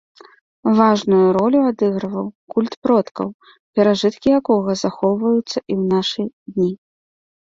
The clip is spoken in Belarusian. Важную ролю адыгрываў культ продкаў, перажыткі якога захоўваюцца і ў нашы дні.